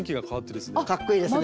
かっこいいですね！